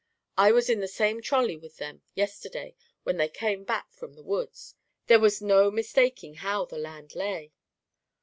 I was in the same trolley with them yesterday when they came back from the woods. There was no mistaking how the land lay."